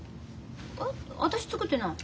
えっ私作ってない。